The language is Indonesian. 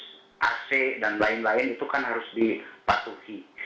jadi untuk gas itu sendiri harus ac dan lain lain itu kan harus dipatuhi